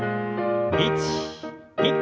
１２。